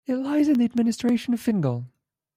It lies in the administration of Fingal.